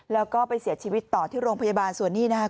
แล้วก็ไปเสียชีวิตต่อที่โรงพยาบาลส่วนนี้นะครับ